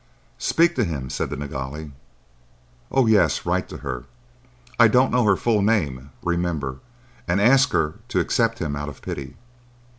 "Speak to him," said the Nilghai. "Oh yes! Write to her,—I don't know her full name, remember,—and ask her to accept him out of pity.